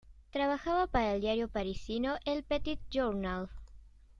Trabajaba para el diario Parisino el "Petit Journal".